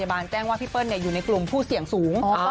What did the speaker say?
พยาบาลแกล้งว่าพี่เปิ้ลเนี่ยอยู่ในกลุ่มผู้เสี่ยงสูง